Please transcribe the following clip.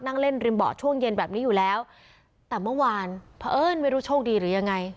นั่งเล่นริมเบาะช่วงเย็นแบบนี้อยู่แล้วแต่เมื่อวานเพราะเอิ้นไม่รู้โชคดีหรือยังไง